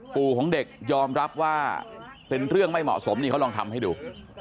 ปู่ของเด็กยอมรับว่าเป็นเรื่องไม่เหมาะสมนี่เขาลองทำให้ดู